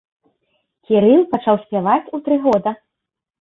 Кірыл пачаў спяваць у тры года.